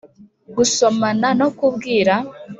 gusomana no kubwira